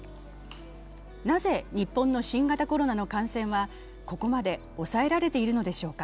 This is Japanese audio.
なぜ日本の新型コロナの感染はここまで抑えられているのでしょうか？